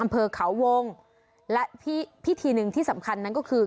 อำเภอเขาวงและพิธีหนึ่งที่สำคัญนั้นก็คือ